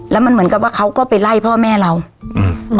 แล้วมันเหมือนกับว่าเขาก็ไปไล่พ่อแม่เราอืม